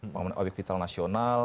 pengamanan objek vital nasional